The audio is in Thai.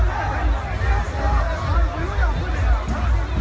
มันอาจจะไม่เอาเห็น